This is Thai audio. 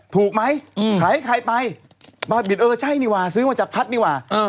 ถูกไหมขายให้ใครไปบ้าบินเออใช่นี่ว่าซื้อมาจากพัดดีกว่า